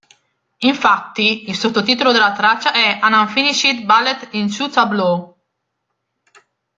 Infatti, il sottotitolo della traccia è "an Unfinished Ballet in two Tableaux".